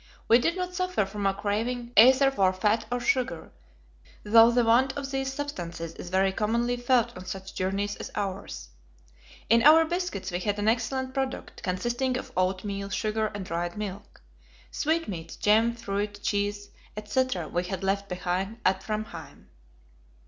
We did not suffer from a craving either for fat or sugar, though the want of these substances is very commonly felt on such journeys as ours. In our biscuits we had an excellent product, consisting of oatmeal, sugar, and dried milk. Sweetmeats, jam, fruit, cheese, etc., we had left behind at Framheim.